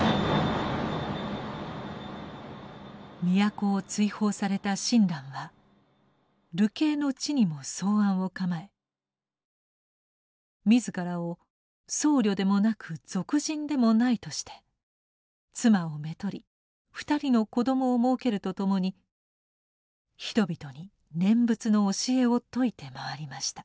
都を追放された親鸞は流刑の地にも草庵を構え自らを「僧侶でもなく俗人でもない」として妻をめとり２人の子どもをもうけるとともに人々に念仏の教えを説いて回りました。